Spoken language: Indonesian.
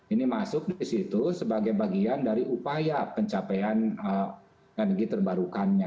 ini masuk di situ sebagai bagian dari upaya pencapaian energi terbarukannya